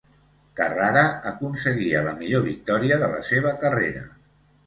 Carrara aconseguia la millor victòria de la seva carrera.